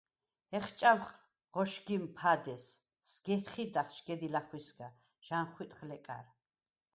ეხჭამხ ღოშგიმ ფადე̄ს, სგ’ე̄თი̄დახ შგედი ლახვისგა, ჟანხვიტხ ლეკარ.